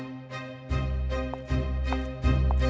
oh tentu saja